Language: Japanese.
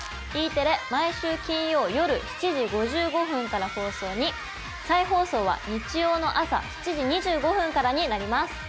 Ｅテレ毎週金曜夜７時５５分から放送に再放送は日曜の朝７時２５分からになります。